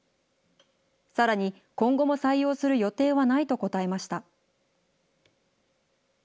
さらに、今後も採用する予定はないと答えました。